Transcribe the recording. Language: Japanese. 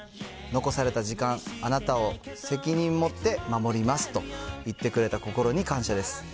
残された時間、あなたを責任持って守りますと言ってくれた心に感謝です。